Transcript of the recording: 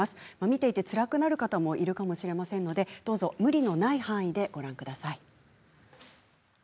見ていてつらくなる方もいるかもしれませんのでどうぞ無理のない範囲でご覧ください。